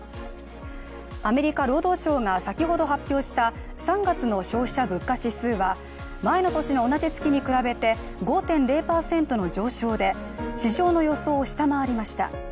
アメリカ労働省が先ほど発表した３月の消費者物価指数は前の年の同じ月に比べて５．０％の上昇で市場の予想を下回りました。